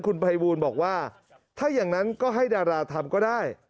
คุณภัยบูลบอกว่าถ้าอย่างนั้นก็ให้ดาราทำก็ได้